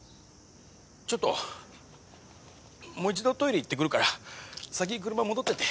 ちょっともう一度トイレ行ってくるから先車戻ってて。